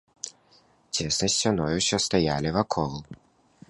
Цеснай сцяною ўсе стаялі вакол.